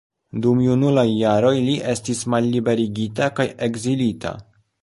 Dum junulaj jaroj li estis malliberigita kaj ekzilita.